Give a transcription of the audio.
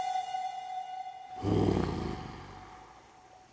うん。